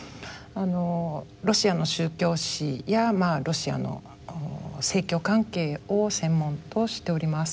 ロシアの宗教史やロシアの正教関係を専門としております。